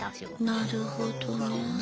なるほどね。